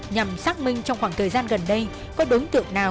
nhằm xác minh trong khoảng thời gian gần đây có đối tượng nào